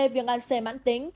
viên gan c mãn tính